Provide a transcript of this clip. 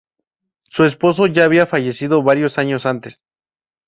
Su esposo ya había fallecido varios años antes.